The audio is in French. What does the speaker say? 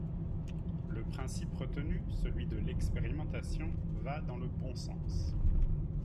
Le principe retenu, celui de l’expérimentation, va dans le bon sens.